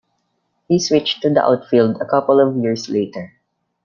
He switched to the outfield a couple of years later.